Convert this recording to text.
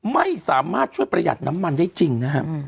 ไม่สามารถช่วยประหยัดน้ำมันได้จริงนะฮะ